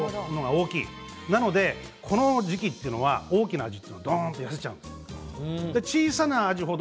なので、この時期というのは大きなアジはどんと痩せちゃうんです。